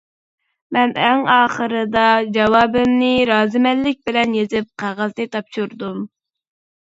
مەن ئەڭ ئاخىرىدا جاۋابىمنى رازىمەنلىك بىلەن يېزىپ قەغەزنى تاپشۇردۇم.